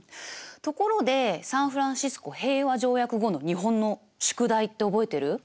ところでサンフランシスコ平和条約後の日本の宿題って覚えてる？